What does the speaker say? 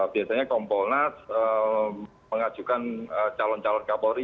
biasanya kompolnas mengajukan calon calon kapolri